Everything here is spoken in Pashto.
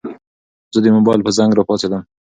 زه د موبايل په زنګ راپاڅېدم.